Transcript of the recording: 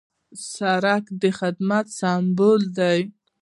سړک د خدمت سمبول دی.